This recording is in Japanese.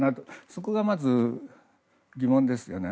そこがまず疑問ですよね。